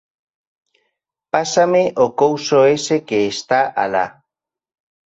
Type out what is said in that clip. Pásame o couso ese que está alá.